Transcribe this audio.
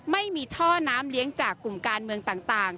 ไม่มีท่อน้ำเลี้ยงจากกลุ่มการเมืองต่าง